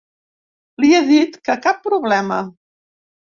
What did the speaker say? Li he dit que cap problema.